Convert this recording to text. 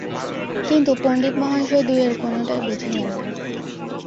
কিন্তু পণ্ডিতমহাশয় দুয়ের কোনোটাই বুঝিলেন না।